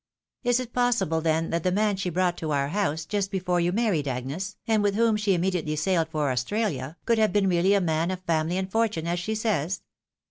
" Is it possible, then, that the man she brought to our house, just before you married, Agnes, and with whom she immediately sailed for Australia, could have been really a man of family and 316 THE WIDOW MARRIED. fortune, as she says?